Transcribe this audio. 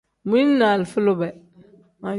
Mili ni alifa lube.